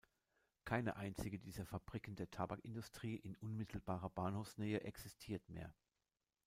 Keine einzige dieser Fabriken der Tabakindustrie in unmittelbarer Bahnhofsnähe existiert mehr.